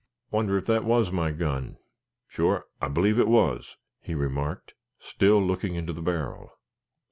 "Wonder if that was my gun? Sure, I believe it was," he remarked, still looking into the barrel.